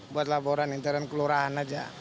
buat laporan intern kelurahan aja